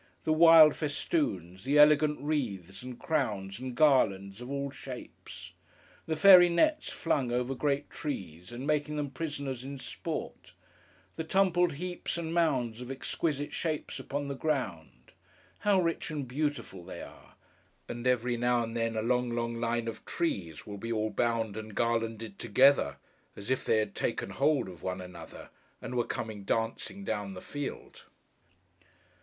The wild festoons, the elegant wreaths, and crowns, and garlands of all shapes; the fairy nets flung over great trees, and making them prisoners in sport; the tumbled heaps and mounds of exquisite shapes upon the ground; how rich and beautiful they are! And every now and then, a long, long line of trees, will be all bound and garlanded together: as if they had taken hold of one another, and were coming dancing down the field!